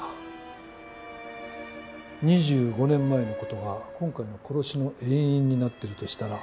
２５年前のことが今回の殺しの遠因になってるとしたら。